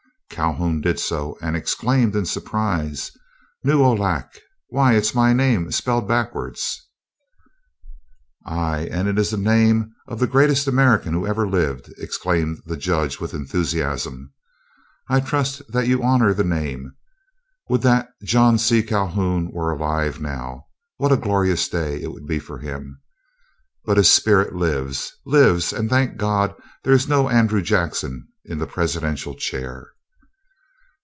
Calhoun did so, and exclaimed, in surprise: "Nuohlac! Why, it's my name spelled backwards." "Aye! and it is the name of the greatest American who ever lived," exclaimed the Judge, with enthusiasm. "I trust that you honor the name. Would that John C. Calhoun were alive now. What a glorious day it would be for him. But his spirit lives—lives, and thank God there is no Andrew Jackson in the presidential chair!"